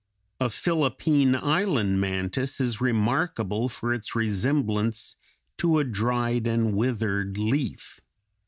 A Philippine Island mantis is remarkable for its resemblance to a dried and withered leaf.